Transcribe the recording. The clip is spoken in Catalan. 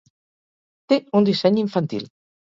Té un disseny infantil.